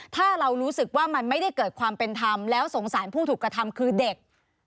ถ้าเรารู้สึกว่ามันไม่ได้เกิดความเป็นธรรมแล้วสงสารผู้ถูกกระทำคือเด็ก